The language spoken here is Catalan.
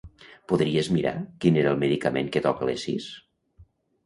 Podries mirar quin era el medicament que toca a les sis?